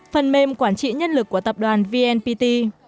phần mềm quản trị nhân lực của tập đoàn vnpt